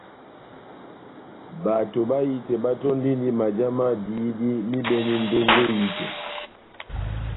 Bato bahitɛ batɔ́ndindi majá ma dihidi m'ibɛne ndongo ehitɛ.